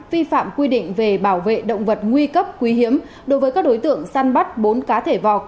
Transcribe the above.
vi phạm quy định về bảo vệ động vật nguy cấp quý hiếm đối với các đối tượng săn bắt bốn cá thể vọc